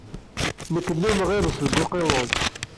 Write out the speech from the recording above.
Nekk nnummeɣ iḍes deg uqiḍun.